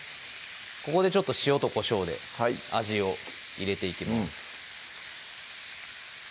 ここでちょっと塩とこしょうで味を入れていきます